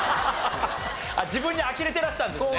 自分にあきれてらしたんですね。